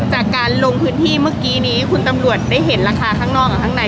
จากการลงพื้นที่เมื่อกี้นี้คุณตำรวจได้เห็นราคาข้างนอกกับข้างใน